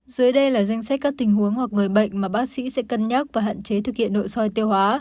dưới đây là danh sách các tình huống hoặc người bệnh mà bác sĩ sẽ cân nhắc và hạn chế thực hiện nội soi tiêu hóa